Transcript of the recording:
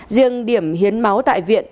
riêng điểm hiến máu tại viện